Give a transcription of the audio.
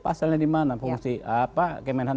pasalnya di mana fungsi apa kemenhan